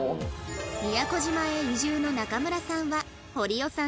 宮古島へ移住の中村さんは堀尾さんといい感じ